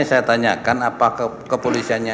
saya tanyakan apa kepolisiannya